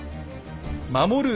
守る